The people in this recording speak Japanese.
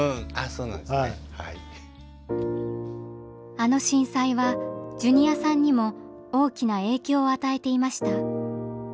あの震災はジュニアさんにも大きな影響を与えていました。